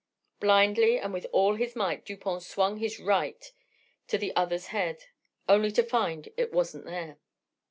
Blindly and with all his might Dupont swung his right to the other's head, only to find it wasn't there.